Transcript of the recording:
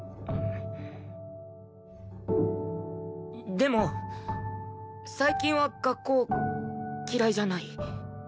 でも最近は学校嫌いじゃない。